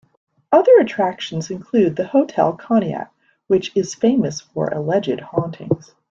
Other attractions include the Hotel Conneaut, which is famous for alleged hauntings.